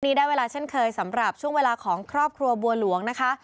ได้เวลาเช่นเคยสำหรับช่วงเวลาของครอบครัวบัวหลวงนะคะ